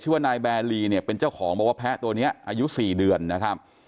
ว่านายแบรีเนี่ยเป็นเจ้าของบอกว่าแพ้ตัวนี้อายุ๔เดือนนะครับ